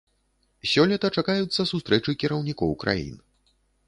Сёлета чакаюцца сустрэчы кіраўнікоў краін.